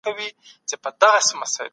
د سورا غړي د خلګو استازيتوب څنګه کوي؟